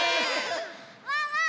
ワンワン！